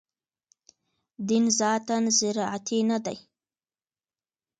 دین ذاتاً زراعتي نه دی.